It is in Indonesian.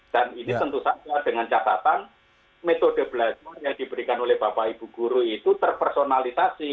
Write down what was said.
dan ini tentu saja dengan catatan metode belajar yang diberikan oleh bapak ibu guru itu terpersonalisasi